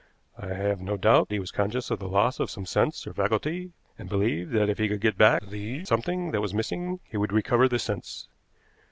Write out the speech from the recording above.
I have no doubt he was conscious of the loss of some sense or faculty, and believed that if he could get back the something that was missing he would recover this sense.